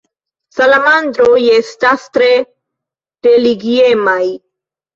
Salamandroj estas tre religiemaj.